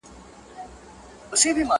کلونه کیږي په خوبونو کي راتللې اشنا٫